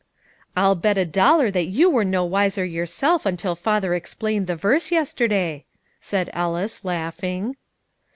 "I'll bet a dollar that you were no wiser yourself until father explained the verse yesterday," said Ellis, laughing.